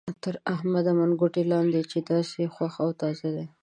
تر احمد منګوټی لاندې دی چې داسې خوښ او تازه دی.